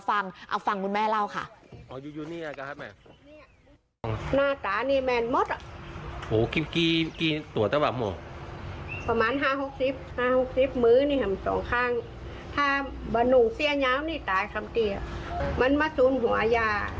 ตอนตอนตอนยายเนี่ยมาตรงเนี้ย